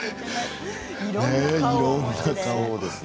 いろんな顔で。